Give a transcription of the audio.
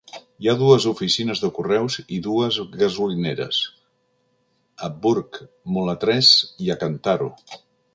Hi ha dues oficines de correus i dues gasolineres; a Bourg Mulatresse i a Cantaro.